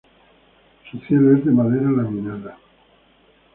Su cielo es de madera laminada.